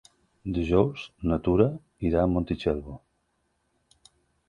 Dijous na Tura irà a Montitxelvo.